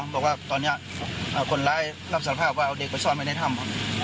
บอกว่าตอนนี้คนร้ายรับสารภาพว่าเอาเด็กไปซ่อนไว้ในถ้ำ